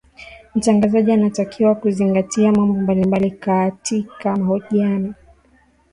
mtangazaji anatakiwa kuzingatia mambo mbalimbali kaatika mahojiano